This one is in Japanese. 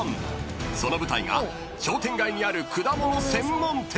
［その舞台が商店街にある果物専門店］